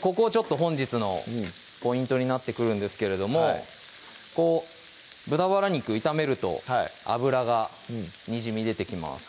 ここちょっと本日のポイントになってくるんですけれどもこう豚バラ肉炒めると脂がにじみ出てきます